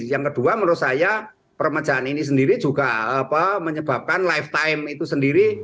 yang kedua menurut saya permecahan ini sendiri juga menyebabkan lifetime itu sendiri